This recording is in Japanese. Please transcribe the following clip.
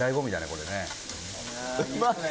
これね。